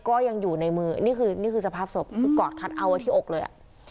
ก็ยังอยู่ในมือนี่คือนี่คือสภาพศพคือกอดคัดเอาไว้ที่อกเลยอ่ะ